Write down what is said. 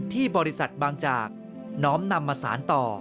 ที่บริษัทบางจากน้อมนำมาสารต่อ